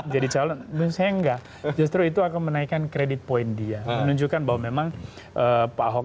jadi calon bisa enggak justru itu akan menaikkan credit point dia menunjukkan bahwa memang pak